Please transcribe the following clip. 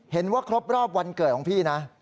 เห็นว่าครบรอบวันเกิดของพี่นะ